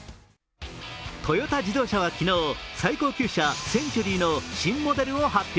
トヨタ自動車は昨日、最高級車・センチュリーの新モデルを発表。